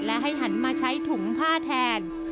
และให้หันมาใช้ถุงผ้าแทน